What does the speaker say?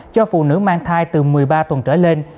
cho phụ nữ mang thai từ một mươi ba tuần trở lên